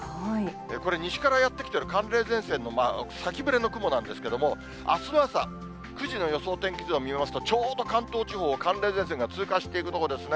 これ、西からやって来ている寒冷前線の先ぶれの雲なんですけれども、あすの朝９時の予想天気図を見ますと、ちょうど関東地方、寒冷前線が通過していくところですね。